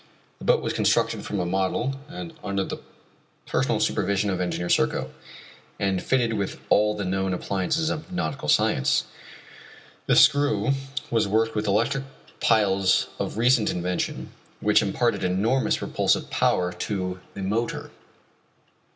The boat was constructed from a model and under the personal supervision of Engineer Serko, and fitted with all the known appliances of nautical science. The screw was worked with electric piles of recent invention which imparted enormous propulsive power to the motor.